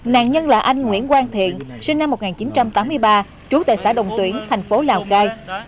nạn nhân là anh nguyễn quang thiện sinh năm một nghìn chín trăm tám mươi ba trú tại xã đồng tuyển thành phố lào cai